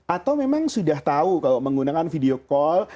atau memang sudah tahu kalau menggunakan video call